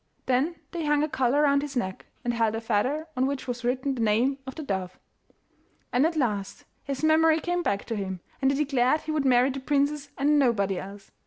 Then they hung a collar round his neck, and held a feather on which was written the name of the dove. And at last his memory came back to him, and he declared he would marry the princess and nobody else.